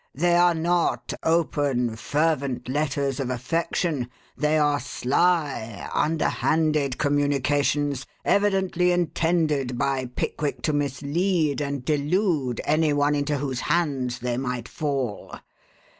They are not open, fervent letters of affection. They are sly, underhanded communications evidently intended by Pickwick to mislead and delude any one into whose hands they might fall.